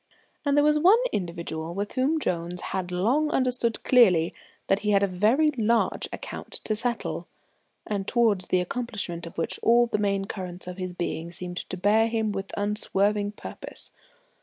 And there was one individual with whom Jones had long understood clearly he had a very large account to settle, and towards the accomplishment of which all the main currents of his being seemed to bear him with unswerving purpose.